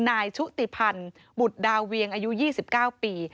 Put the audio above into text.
ชุติพันธ์บุตรดาเวียงอายุ๒๙ปี